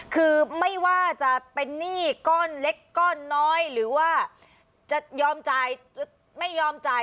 คือไม่ว่าจะเป็นหนี้ก้อนเล็กก้อนน้อยหรือว่าจะยอมจ่ายไม่ยอมจ่าย